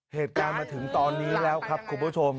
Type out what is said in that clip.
เหตุการณ์มาถึงตอนนี้แล้วครับคุณผู้ชม